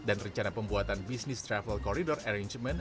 dan rencana pembuatan business travel corridor arrangement